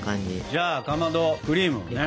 じゃあかまどクリームのね。